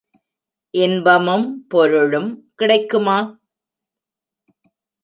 இன்பமும் பொருளும் கிடைக்குமா?